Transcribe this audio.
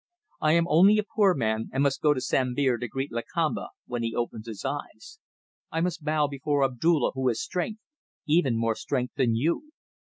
I am only a poor man, and must go to Sambir to greet Lakamba when he opens his eyes. I must bow before Abdulla who has strength even more strength than you.